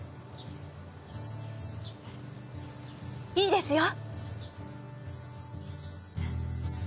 いいですよ！